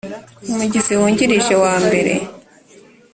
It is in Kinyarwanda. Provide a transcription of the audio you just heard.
umugizi wungirije wa mbere